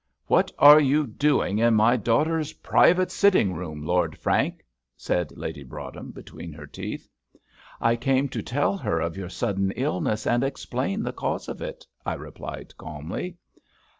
"What are you doing in my daughter's private sitting room, Lord Frank?" said Lady Broadhem, between her teeth. "I came to tell her of your sudden illness, and explain the cause of it," I replied, calmly.